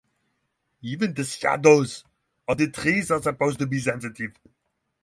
Even the shadows of trees are supposed to be sensitive.